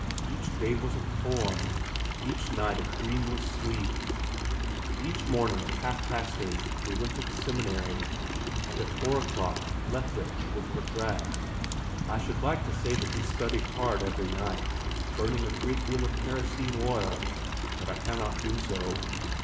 Each day was a poem, each night a dreamless sleep! Each morning at half past eight we went to the Seminary and at four o'clock left it with regret. I should like to say that we studied hard every night, burning a great deal of kerosene oil, but I cannot do so.